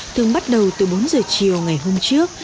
thường bắt đầu từ bốn giờ chiều ngày hôm trước